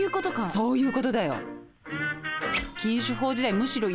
そういう事だよ。